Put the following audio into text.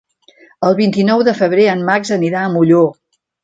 El vint-i-nou de febrer en Max anirà a Molló.